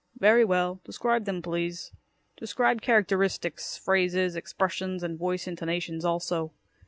"Very well. Describe them, please. Describe characteristic phrases, expressions, and voice intonations also."